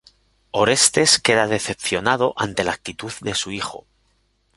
Orestes queda decepcionado ante la actitud de su tío.